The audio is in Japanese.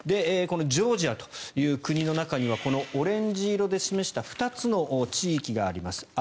このジョージアという国の中にはこのオレンジ色で示した２つの地域があります。